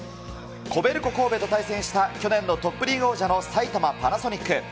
コベルコ神戸と対戦した去年のトップリーグ王者の埼玉パナソニック。